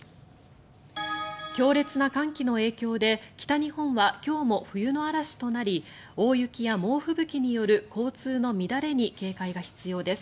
強烈な寒気の影響で北日本は今日も冬の嵐となり大雪や猛吹雪による交通の乱れに警戒が必要です。